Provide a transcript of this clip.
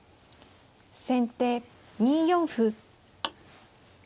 先手２四歩。